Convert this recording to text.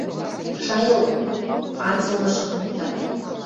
Шайыл анзылнышым покта